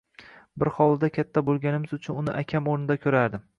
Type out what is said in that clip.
Bir hovlida katta bo`lganimiz uchun uni akam o`rnida ko`rardim